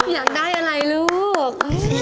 อยากได้อะไรลูก